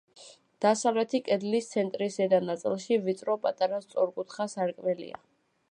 დასავლეთი კედლის ცენტრის ზედა ნაწილში ვიწრო, პატარა სწორკუთხა სარკმელია.